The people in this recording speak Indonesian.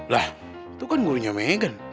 lah itu kan gurunya meghan